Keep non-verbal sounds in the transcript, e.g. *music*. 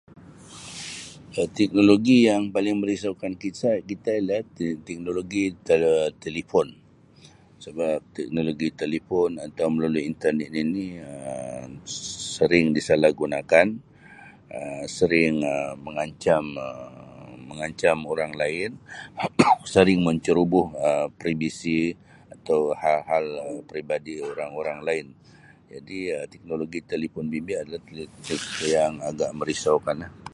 Ya teknologi yang paling merisaukan kita kita teknologi tele-telefon sebab teknologi telefon akan melalui internet ini Um s-sering disalah gunakan Um sering Um mengancam Um mengancam orang lain *coughs* sering menceroboh Um previsi atau hal-hal Um *noise* peribadi orang-orang lain jadi Um teknologi telefon bimbit adalah *noise* yang agak merisaukan lah.